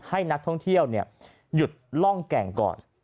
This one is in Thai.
ให้นักท่องเที่ยวหยุดร่องแก่งก่อน